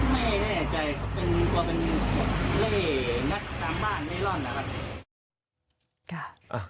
ไม่แน่ใจครับเป็นกว่าเป็นเล่นนักตามบ้านไม่รอดนะครับ